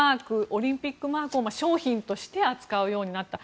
オリンピックマークを商品として扱うようになった。